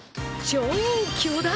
超巨大！